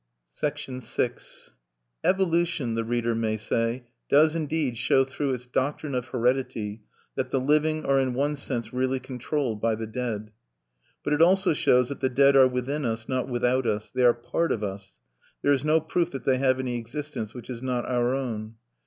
VI "Evolution" the reader may say, "does indeed show through its doctrine of heredity that the living are in one sense really controlled by the dead. But it also shows that the dead are within us, not without us. They are part of us; there is no proof that they have any existence which is not our own.